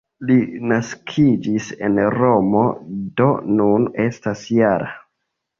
Li naskiĝis en Romo, do nun estas -jara.